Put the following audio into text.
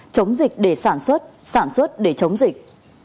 chống dịch để sản xuất sản xuất để chống dịch